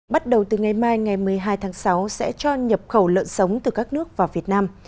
bắt đầu từ ngày mai ngày một mươi hai tháng sáu sẽ cho nhập khẩu lợn sống từ các nước vào việt nam